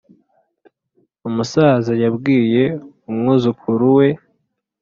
umusaza yabwiye umwuzukuru we